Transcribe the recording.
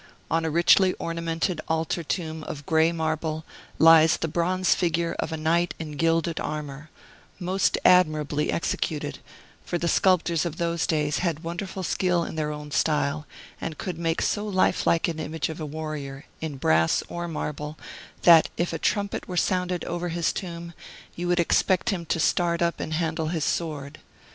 On a richly ornamented altar tomb of gray marble lies the bronze figure of a knight in gilded armor, most admirably executed: for the sculptors of those days had wonderful skill in their own style, and could make so lifelike an image of a warrior, in brass or marble, that, if a trumpet were sounded over his tomb, you would expect him to start up and handle his sword.